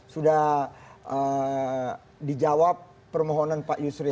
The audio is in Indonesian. sudah dijawab permohonan pak yusril